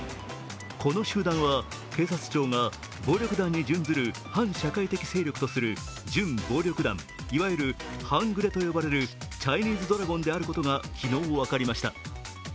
この集団は警察庁が暴力団に準ずる反社会的勢力とする準暴力団いわゆる半グレと呼ばれるチャイニーズドラゴンであることが、昨日分かりました。